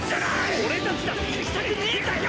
俺たちだって行きたくねえんだよ！